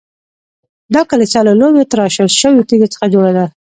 دا کلیسا له لویو تراشل شویو تیږو څخه جوړه ده.